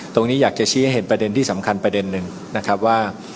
อยากจะชี้ให้เห็นประเด็นที่สำคัญประเด็นหนึ่งนะครับว่า